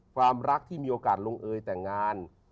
ความรักที่มีโอกาสลงเอยแต่งงาน